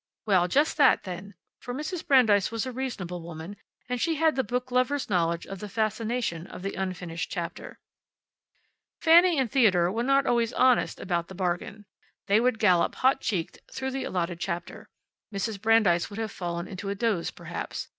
"Well, just that, then," for Mrs. Brandeis was a reasonable woman, and she had the book lover's knowledge of the fascination of the unfinished chapter. Fanny and Theodore were not always honest about the bargain. They would gallop, hot cheeked, through the allotted chapter. Mrs. Brandeis would have fallen into a doze, perhaps.